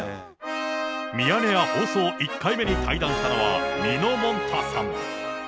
ミヤネ屋放送１回目に対談したのは、みのもんたさん。